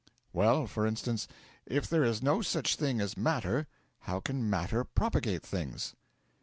'Well, for instance: if there is no such thing as matter, how can matter propagate things?'